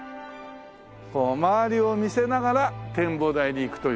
こう周りを見せながら展望台に行くという。